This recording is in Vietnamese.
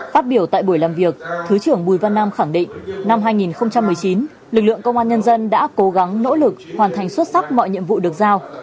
phát biểu tại buổi làm việc thứ trưởng bùi văn nam khẳng định năm hai nghìn một mươi chín lực lượng công an nhân dân đã cố gắng nỗ lực hoàn thành xuất sắc mọi nhiệm vụ được giao